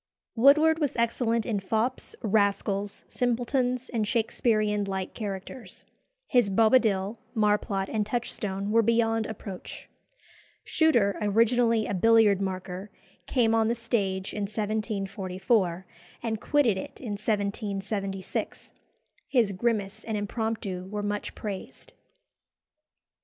Woodward was excellent in fops, rascals, simpletons, and Shakesperean light characters. His Bobadil, Marplot, and Touchstone were beyond approach. Shuter, originally a billiard marker, came on the stage in 1744, and quitted it in 1776. His grimace and impromptu were much praised.